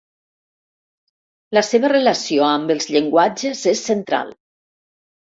La seva relació amb els llenguatges és central.